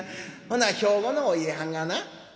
ほな兵庫のお家はんがな